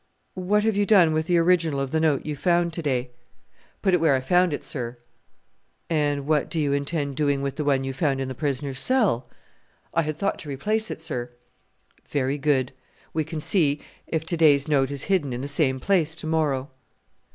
"What have you done with the original of the note you found to day?" "Put it where I found it, sir." "And what do you intend doing with the one you found in the prisoner's cell?" "I had thought to replace it, sir." "Very good; we can see if to day's note is hidden in the same place to morrow."